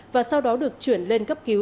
và sau đó được chuyển lên cấp cứu